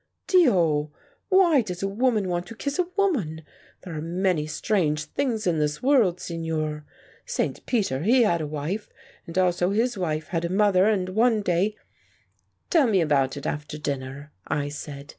Dio! Why does a woman want to kiss a woman ? There are many strange things in the world, signor. St. Peter, he had a wife, and also his wife had a mother, and one day " "Tell me about it after dinner," I said.